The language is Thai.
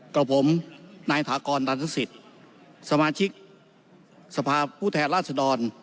กับผมนายถากรตันทศิษย์สมาชิกสภาพผู้แทนราชดร